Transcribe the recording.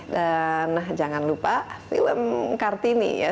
dan jangan lupa film kartini ya